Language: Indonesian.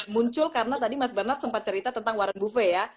muncul karena tadi mas bernard sempat cerita tentang warren buffet ya